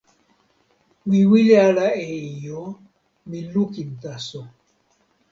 mi wile ala e ijo. mi lukin taso.